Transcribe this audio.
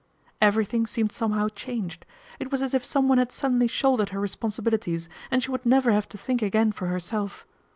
Everything seemed somehow changed. It was as if someone had suddenly shouldered her respon sibilities, and she would never have to think again for herself.